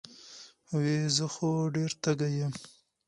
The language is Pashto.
وې زۀ خو ډېر تږے يم